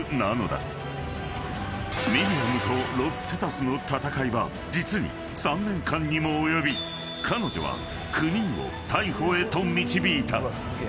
［ミリアムとロス・セタスの闘いは実に３年間にも及び彼女は９人を逮捕へと導いた］